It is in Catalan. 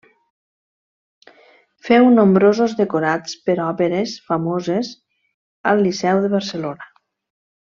Feu nombrosos decorats per òperes famoses al Liceu de Barcelona.